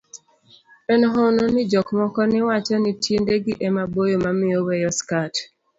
en hono ni jok moko ni wacho ni tiendegi ema boyo mamiyo weyo skat